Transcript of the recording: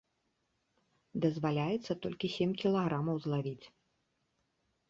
Дазваляецца толькі сем кілаграмаў злавіць.